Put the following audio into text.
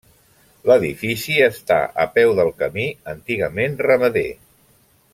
L'edifici està a peu del camí antigament ramader.